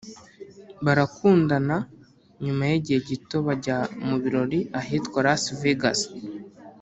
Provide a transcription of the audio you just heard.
barakundana nyuma y’igihe gito bajya mu birori ahitwa Las Vegas